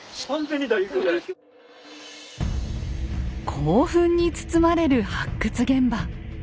興奮に包まれる発掘現場。